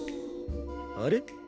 あれ？